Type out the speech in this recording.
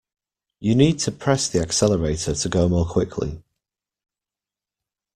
You need to press the accelerator to go more quickly